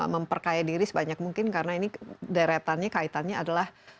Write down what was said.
memperkaya diri sebanyak mungkin karena ini deretannya kaitannya adalah